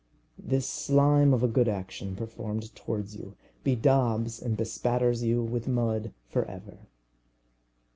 This slime of a good action performed towards you bedaubs and bespatters you with mud for ever.